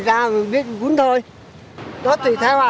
vào lúc bình minh ở dùng nước nông dưới chừng con sống vỗ